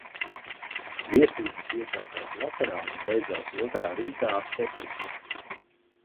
Viesības iesākās vakarā un beidzās otrā rītā ap septiņiem.